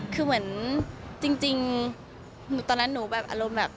คือเหมือนจริงตอนนั้นหนูแบบอารมณ์แบบ